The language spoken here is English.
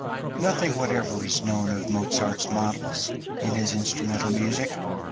Nothing whatever is known of Mozart's models in his instrumental music.